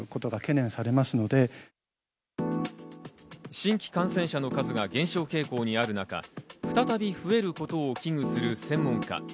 新規感染者の数が減少傾向にある中、再び増えることを危惧する専門家。